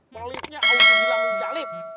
pelitnya awal gila menjalip